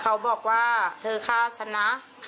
เขาบอกว่าเธอฆ่าฉันนะ